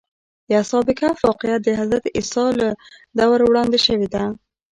د اصحاب کهف واقعه د حضرت عیسی له دور وړاندې شوې ده.